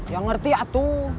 ya ngerti atuh